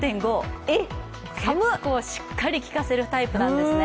結構、しっかりきかせるタイプなんですね。